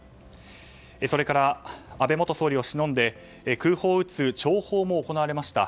それから安倍元総理をしのんで空砲を撃つ弔砲も行われました。